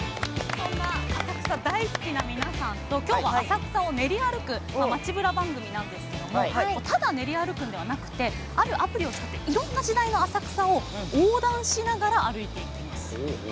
そんな浅草大好きな皆さんと今日は浅草を練り歩く街ブラ番組ですがただ練り歩くんではなくてあるアプリを使っていろんな時代の浅草を横断しながら歩いていきます。